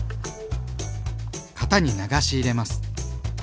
型に流し入れます。